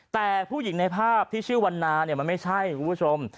แต่ผู้หญิงในภาพที่ชื่อวันนาเนี่ยมันไม่ใช่คุณผู้ชม